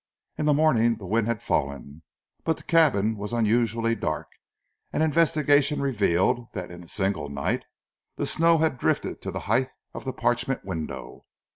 In the morning the wind had fallen, but the cabin was unusually dark, and investigation revealed that in a single night the snow had drifted to the height of the parchment window.